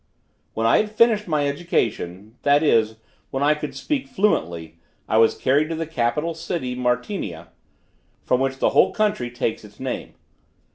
When I had finished my education, that is, when I could speak fluently, I was carried to the capital city Martinia, from which the whole country takes its name.